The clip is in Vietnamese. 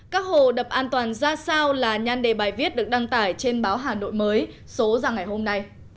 các hồ đập an toàn ra sao là nhan đề bài viết được đăng tải trên báo hà nội mới số ra ngày hôm nay